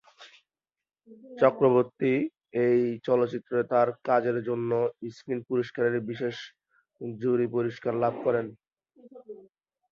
চক্রবর্তী এই চলচ্চিত্রে তার কাজের জন্য স্ক্রিন পুরস্কারের বিশেষ জুরি পুরস্কার লাভ করেন।